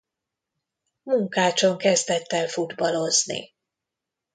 Munkácson kezdett el futballozni.